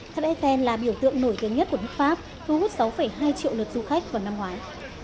tháp eiftel là biểu tượng nổi tiếng nhất của nước pháp thu hút sáu hai triệu lượt du khách vào năm ngoái